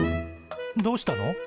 どうしたの？